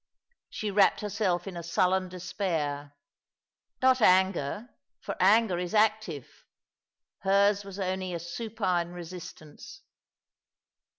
She wrapped herself in a sullen despair— not anger, for anger is active. Hers was only a supine resistance.